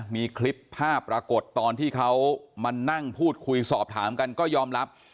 มีคลิปภาพปรากฏตอนที่เขามานั่งพูดคุยสอบถามกันก็ยอมรับ